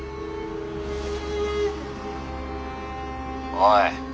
おい。